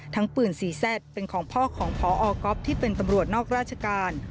ปืนสีแซ่ดเป็นของพ่อของพอก๊อฟที่เป็นตำรวจนอกราชการ